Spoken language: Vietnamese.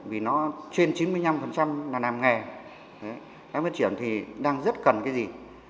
vì nó trên chín mươi năm là nàm nghề đang phát triển thì đang rất cần cái gì